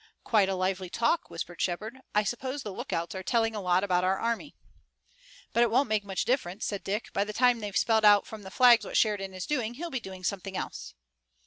"Quite a lively talk," whispered Shepard. "I suppose the lookouts are telling a lot about our army." "But it won't make much difference," said Dick. "By the time they've spelled out from the flags what Sheridan is doing he'll be doing something else."